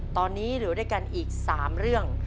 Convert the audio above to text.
ตอนนี้เหลือด้วยกันอีก๓เรื่อง